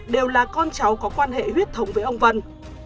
đều là con cháu có quan hệ huyết thống với ông vân